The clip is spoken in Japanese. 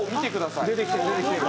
出てきてる出てきてる。